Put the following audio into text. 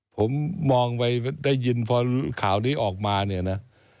ผมมองไปได้ยินพอข่าวนี้ออกมาเนี่ยนะ